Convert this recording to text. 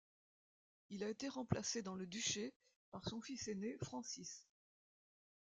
Il a été remplacé dans le duché par son fils aîné Francis.